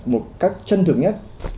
một cách chân thực nhất